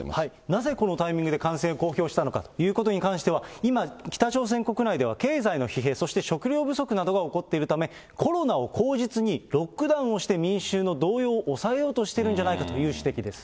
なぜこのタイミングで感染を公表したのかということに関しては、今、北朝鮮国内では経済の疲弊、そして食糧不足などが起こっているため、コロナを口実にロックダウンをして民衆の動揺を抑えようとしているんじゃないかという指摘です。